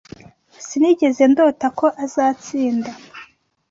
Sinigeze ndota ko azatsinda.